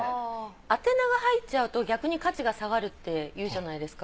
宛名が入っちゃうと逆に価値が下がるって言うじゃないですか。